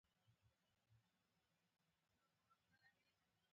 • د طبیعت د ښکلا ستایلو لپاره کښېنه.